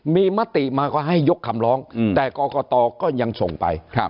มีมติมาก็ให้ยกคำร้องแต่กรกตก็ยังส่งไป